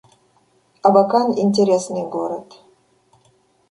Абакан — интересный город